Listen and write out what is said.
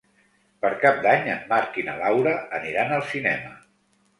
Per Cap d'Any en Marc i na Laura aniran al cinema.